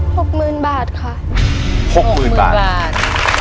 หกหมื่นบาทค่ะหกหมื่นบาท